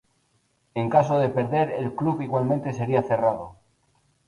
En caso de perder, el club igualmente sería cerrado.